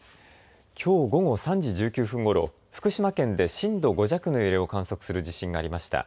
きょう午後３時１９分ごろ福島県で震度５弱の揺れを観測する地震がありました。